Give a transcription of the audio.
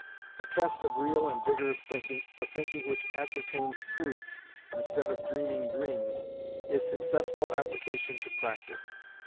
The test of real and vigorous thinking, the thinking which ascertains truths instead of dreaming dreams, is successful application to practice.